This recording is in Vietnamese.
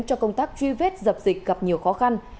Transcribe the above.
cho công tác truy vết dập dịch gặp nhiều khó khăn